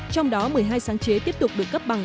trong đó một mươi hai sáng chế tiếp tục được cấp bằng